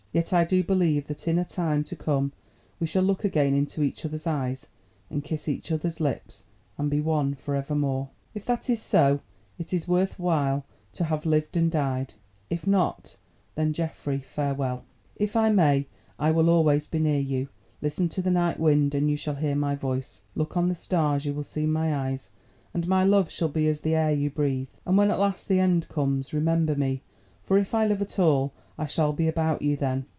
Yet I do believe that in a time to come we shall look again into each other's eyes, and kiss each other's lips, and be one for evermore. If this is so, it is worth while to have lived and died; if not, then, Geoffrey, farewell! "If I may I will always be near you. Listen to the night wind and you shall hear my voice; look on the stars, you will see my eyes; and my love shall be as the air you breathe. And when at last the end comes, remember me, for if I live at all I shall be about you then.